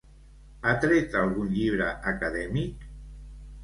Ha tret algun llibre acadèmic?